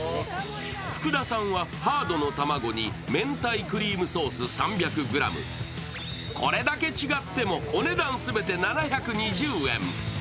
福田さんはハードの卵に明太クリームソース３００ｇ、これだけ違っても、お値段全て７２０円。